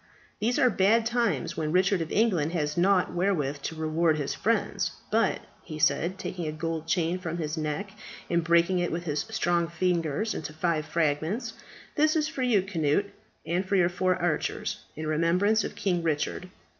These are bad times when Richard of England has nought wherewith to reward his friends. But," he said, taking a gold chain from his neck and breaking it with his strong fingers into five fragments, "that is for you, Cnut, and for your four archers, in remembrance of King Richard."